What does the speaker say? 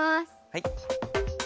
はい。